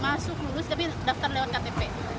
masuk lulus tapi daftar lewat ktp